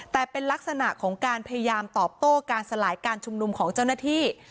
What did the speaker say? แต่เป็นลักษณะของการพยายามตอบโต้การสลายการชุมนุมของเจ้าหน้าที่